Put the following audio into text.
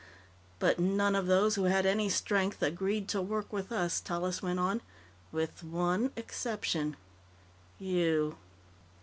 "But none of those who had any strength agreed to work with us," Tallis went on. "With one exception. You."